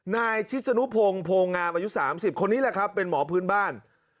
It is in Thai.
นายชิศนุพงศ์โพงามอายุ๓๐คนนี้แหละครับเป็นหมอพื้นบ้าน